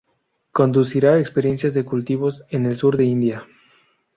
Conducirá experiencias de cultivos en el sur de India.